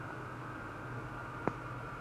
Alipendekeza kuwapo kwa mfumo wa Serikali tatu